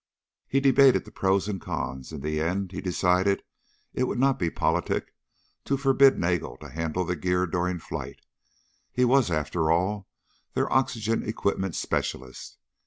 He debated the pros and cons. In the end he decided it would not be politic to forbid Nagel to handle the gear during flight. He was, after all, their oxygen equipment specialist.